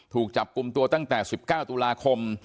ถูกจับกลุ่มตัวตั้งแต่๑๙ตุลาคม